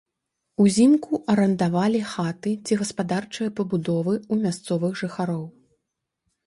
Узімку арандавалі хаты ці гаспадарчыя пабудовы ў мясцовых жыхароў.